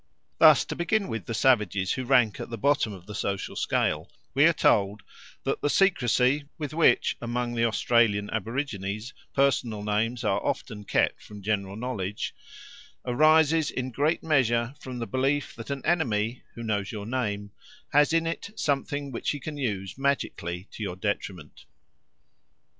Thus, to begin with the savages who rank at the bottom of the social scale, we are told that the secrecy with which among the Australian aborigines personal names are often kept from general knowledge "arises in great measure from the belief that an enemy, who knows your name, has in it something which he can use magically to your detriment."